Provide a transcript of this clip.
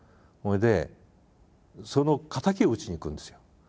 それでその仇を討ちに行くんですよ。